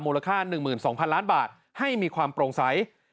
มูลค่า๑๒๐๐๐ล้านบาทให้มีความโปร่งใส